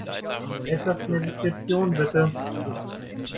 Etwas mehr Diskretion, bitte!